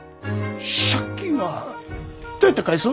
借金はどうやって返す？